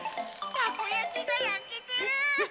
たこやきがやけてる！